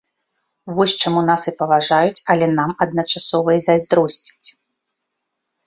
Вось чаму нас і паважаюць, але нам адначасова і зайздросцяць.